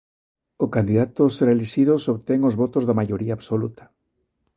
O candidato será elixido se obtén os votos da maioría absoluta.